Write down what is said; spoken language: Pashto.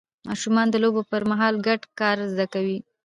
ماشومان د لوبو پر مهال ګډ کار زده کوي